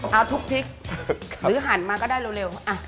เอาทุกพลิกหรือหันมาก็ได้เร็ว